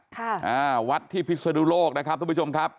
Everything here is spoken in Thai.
ค่ะอ่าวัดที่พิศนุโลกนะครับทุกผู้ชมครับ